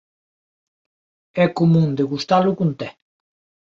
É común degustalo cun té.